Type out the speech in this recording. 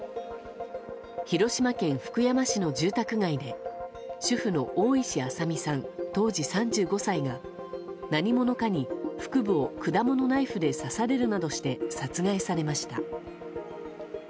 広島県福山市の住宅街で主婦の大石朝美さん当時３５歳が何者かに腹部を果物ナイフで刺されるなどして殺害されました。